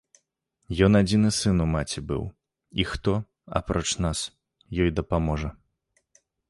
Ён адзіны сын у маці быў, і хто, апроч нас, ёй дапаможа?